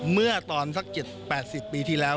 เมื่อตอนสัก๗๘๐ปีที่แล้ว